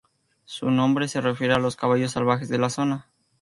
Su nombre se refiere a los caballos salvajes de la zona.